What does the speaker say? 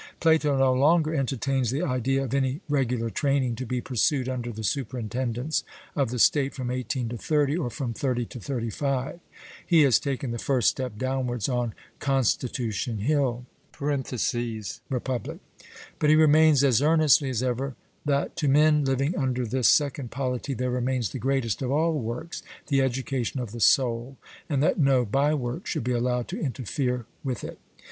Plato no longer entertains the idea of any regular training to be pursued under the superintendence of the state from eighteen to thirty, or from thirty to thirty five; he has taken the first step downwards on 'Constitution Hill' (Republic). But he maintains as earnestly as ever that 'to men living under this second polity there remains the greatest of all works, the education of the soul,' and that no bye work should be allowed to interfere with it.